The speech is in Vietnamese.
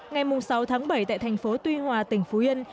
ngày sáu tháng bảy tại thành phố tuy hòa tỉnh phú yên